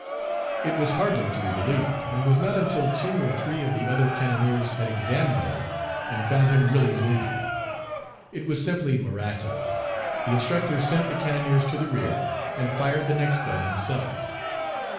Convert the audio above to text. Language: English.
It was hardly to be believed, and was not until two or three of the other cannoneers had examined him and found him really uninjured. It was simply miraculous. The instructor sent the cannoneers to the rear, and fired the next gun himself.